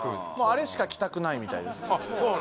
あれしか着たくないみたいですあっ